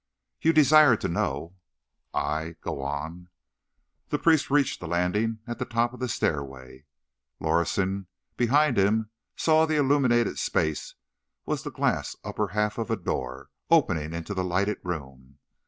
"You desired to know. "I—Go on." The priest reached the landing at the top of the stairway. Lorison, behind him, saw that the illuminated space was the glass upper half of a door opening into the lighted room.